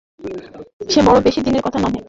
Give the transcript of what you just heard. সে বড়ো বেশি দিনের কথা নহে।